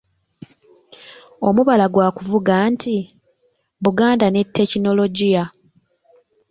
Omubala gwa kuvuga nti,"Buganda ne tekinologiya".